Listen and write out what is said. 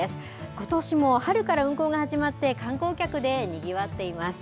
ことしも春から運行が始まって、観光客でにぎわっています。